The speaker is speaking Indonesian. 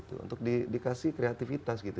untuk dikasih kreativitas gitu